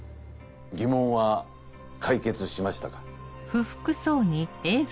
疑問は解決しましたか？